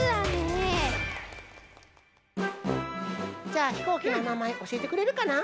じゃあひこうきのおなまえおしえてくれるかな？